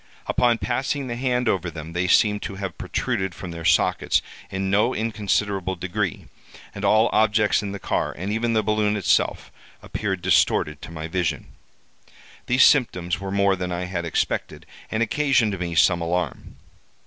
Upon passing the hand over them they seemed to have protruded from their sockets in no inconsiderable degree; and all objects in the car, and even the balloon itself, appeared distorted to my vision. These symptoms were more than I had expected, and occasioned me some alarm.